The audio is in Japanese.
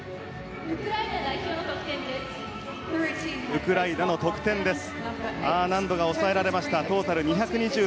ウクライナの得点です。